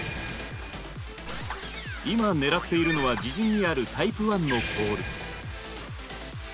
今狙っているのは自陣にあるタイプ１のポール。